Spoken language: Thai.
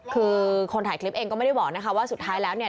คือคนถ่ายคลิปเองก็ไม่ได้บอกนะคะว่าสุดท้ายแล้วเนี่ย